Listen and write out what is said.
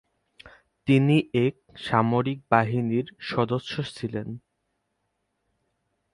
তিনি এক সামরিক বাহিনীর সদস্য ছিলেন।